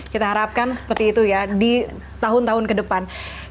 kita harapkan seperti itu ya di tahun tahun ke depan